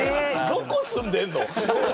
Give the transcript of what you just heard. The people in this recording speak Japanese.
どこ住んでるの？